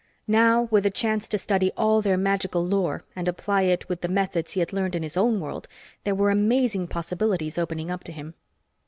Now, with a chance to study all their magical lore and apply it with the methods he had learned in his own world, there were amazing possibilities opening up to him.